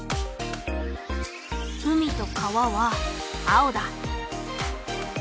海と川は青だ。